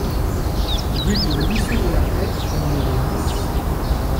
Rue du Ruisseau de la Paix au numéro dix